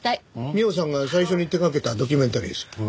美緒さんが最初に手掛けたドキュメンタリーです。